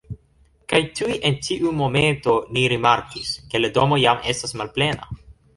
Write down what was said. Kaj tuj en tiu momento ni rimarkis, ke la domo jam estas malplena